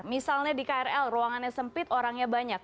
misalnya di krl ruangannya sempit orangnya banyak